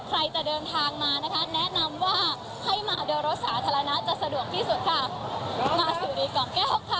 ใครจะเดินทางมานะคะแนะนำว่าให้มาเดินรถสาธารณะจะสะดวกที่สุดค่ะ